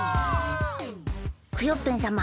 クヨッペンさま